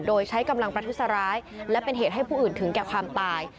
โดยใช้กำลังประทุษร้ายและเป็นเหตุให้ผู้อื่นถึงแก่ความตาย